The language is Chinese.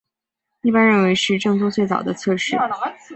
一般认为是政宗最早的侧室。